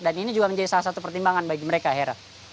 dan ini juga menjadi salah satu pertimbangan bagi mereka hera